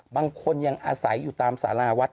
บางคนยังอาศัยอยู่ตามสาราวัด